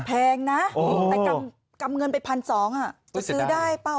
แพงนะแต่กำเงินเป็นพันสองจะซื้อได้เปล่า